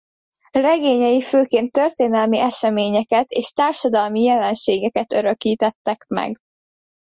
Regényei főként történelmi eseményeket és társadalmi jelenségeket örökítettek meg.